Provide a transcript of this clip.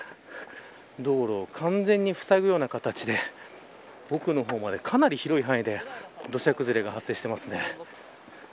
道路を完全にふさぐような形で奥の方までかなり広い範囲で土砂崩れが発生していますね。